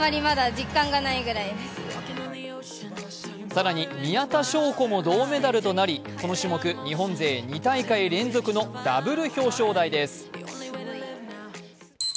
更に宮田笙子も銅メダルとなり、この種目、日本勢２大会連続のダブル表彰台です。